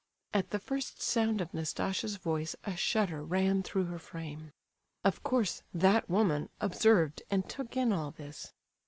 At the first sound of Nastasia's voice a shudder ran through her frame. Of course "that woman" observed and took in all this.